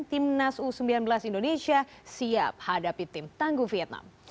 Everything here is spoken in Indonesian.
timnas u sembilan belas indonesia siap hadapi tim tangguh vietnam